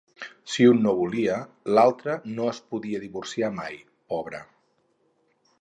Si un no volia, l’altre no es podia divorciar mai, pobre.